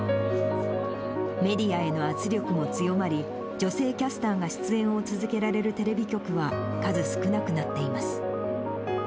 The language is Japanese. メディアへの圧力も強まり、女性キャスターが出演を続けられるテレビ局は数少なくなっています。